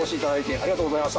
ありがとうございます！